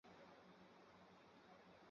只可由庚查核呈报典礼科而已。